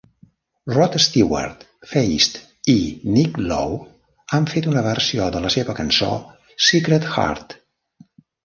Rod Stewart, Feist i Nick Lowe han fet una versió de la seva cançó, "Secret Heart".